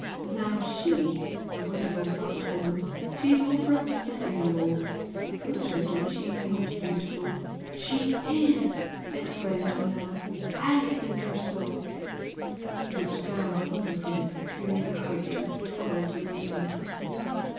Now she the wonderful white woman she's all for upsetting the law! Fortunately she's not beautiful " "She IS!" exclaimed Manella "I think her so!" He looked down upon her from his superior height with a tolerant amusement.